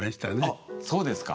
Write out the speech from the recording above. あっそうですか。